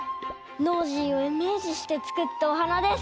ノージーをイメージしてつくったおはなです。